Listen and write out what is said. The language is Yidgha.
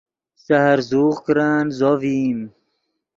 سے ہرزوغ کرن زو ڤئیم